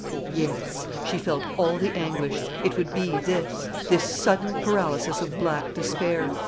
Yes; she felt all the anguish. It would be this this sudden paralysis of black despair.